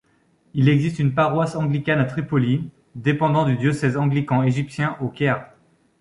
Il existe une paroisse anglicane à Tripoli, dépendant du diocèse anglican égyptien au Caire.